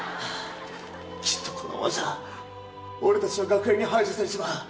きっとこのままじゃ、俺たちは学園に排除されてしまう。